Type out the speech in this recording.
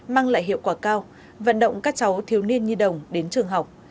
mang lại hiệu quả cao vận động các cháu thiếu niên nhi đồng đến trường học